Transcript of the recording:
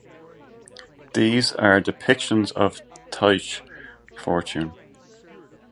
These are depictions of Tyche (fortune).